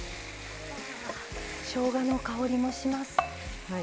しょうがの香りもします。